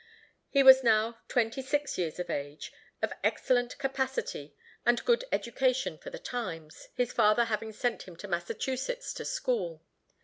He was now twenty six years of age, of excellent capacity, and good education for the times, his father having sent him to Massachusetts to school.